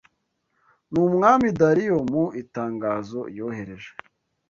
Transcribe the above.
N’umwami Dariyo mu itangazo yoherereje